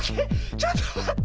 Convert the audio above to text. ちょっとまって。